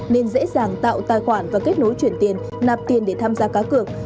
nên dễ dàng tạo tài khoản và kết nối chuyển tiền nạp tiền để tham gia cá cược